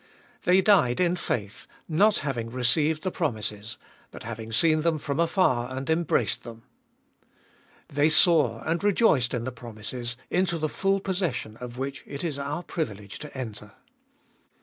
They died in faith, not having received the promises, but having seen them from afar and embraced them. They saw, and rejoiced in the promises, into the full possession of which it is our privilege to enter.